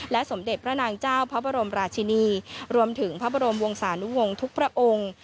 สมเด็จพระนางเจ้าพระบรมราชินีรวมถึงพระบรมวงศานุวงศ์ทุกพระองค์